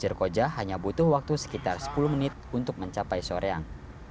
di pasir koja hanya butuh waktu sekitar sepuluh menit untuk mencapai soroyang